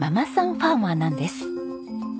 ファーマーなんです。